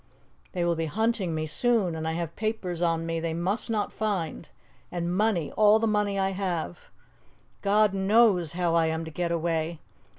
They will be hunting me soon, and I have papers on me they must not find, and money all the money I have. God knows how I am to get away!